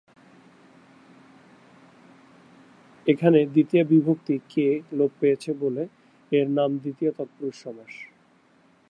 এখানে দ্বিতীয়া বিভক্তি 'কে' লোপ পেয়েছে বলে এর নাম দ্বিতীয়া তৎপুরুষ সমাস।